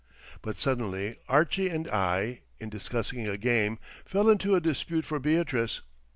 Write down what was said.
But suddenly Archie and I, in discussing a game, fell into a dispute for Beatrice.